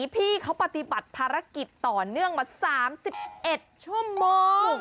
พี่เขาปฏิบัติภารกิจต่อเนื่องมา๓๑ชั่วโมง